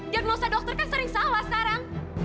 diagnosa dokter kan sering salah sekarang